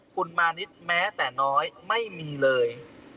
คุณมานิดแม้แต่น้อยไม่มีเลย